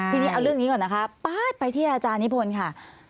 ทีนี้เอาเรื่องนี้ก่อนนะคะป๊าดไปที่อาจารย์นิพนธ์ค่ะ